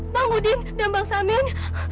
bang budi dan bang samin